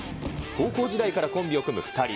高校時代からコンビを組む２人。